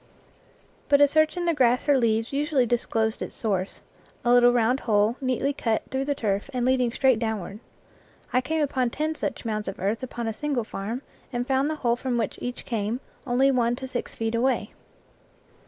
But a search in the grass or leaves usually disclosed its source a little round hole neatly cut through the turf and leading straight downward. I came upon ten such mounds of earth upon a single farm, and found the hole from which each came, from one to six feet away.